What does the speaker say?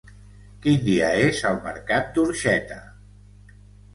Quin dia és el mercat d'Orxeta?